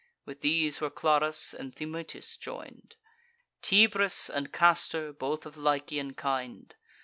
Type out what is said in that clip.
With these were Clarus and Thymoetes join'd; Tibris and Castor, both of Lycian kind.